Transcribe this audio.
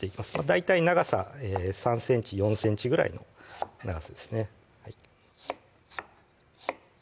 大体長さ３ｃｍ４ｃｍぐらいの長さですね